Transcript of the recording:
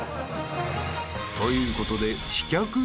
［ということで］